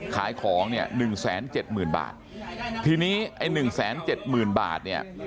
ขายของเนี่ยหนึ่งแสนเจ็ดหมื่นบาททีนี้ไอ้หนึ่งแสนเจ็ดหมื่นบาทเนี่ย